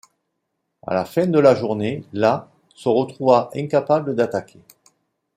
À la fin de la journée, la se retrouva incapable d'attaquer.